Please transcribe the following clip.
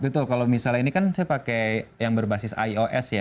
betul kalau misalnya ini kan saya pakai yang berbasis ios ya